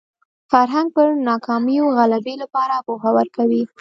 فرهنګ پر ناکامیو غلبې لپاره پوهه ورکوي